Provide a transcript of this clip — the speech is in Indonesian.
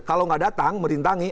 kalau nggak datang merintangi